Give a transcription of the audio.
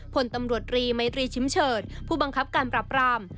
ผลตำรวจรีมัยตรีชิมเฉิดผู้บังคับการปรับราม